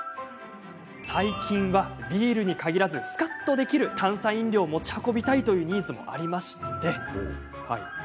最近はビールに限らずスカッとできる炭酸飲料を持ち運びたいというニーズもありまして。